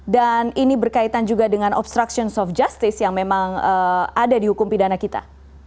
dan ini berkaitan juga dengan obstruction of justice yang memang ada di hukum pidana kita